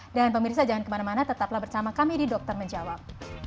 dan pemirsa jangan kemana mana tetaplah bersama kami di dokter menjawab